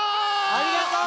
ありがとう！